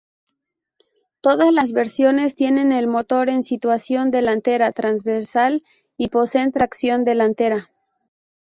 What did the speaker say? Todas las versiones tienen el motor en situación delantera transversal y poseen tracción delantera.